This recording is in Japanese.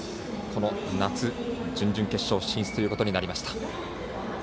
この夏、準々決勝進出ということになりました。